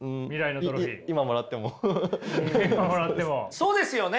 そうですよね。